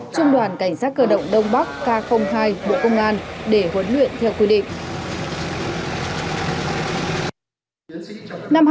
trung đoàn cảnh sát cơ động đông bắc k hai bộ công an để huấn luyện theo quy định